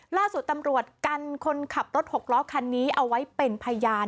ล่าสุดตำรวจกันคนขับรถหกล้อคันนี้เอาไว้เป็นพยาน